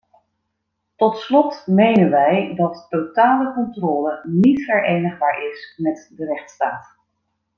Tot slot menen wij dat totale controle niet verenigbaar is met de rechtsstaat.